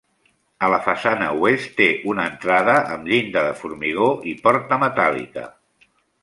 A la façana oest, té una entrada amb llinda de formigó i porta metàl·lica.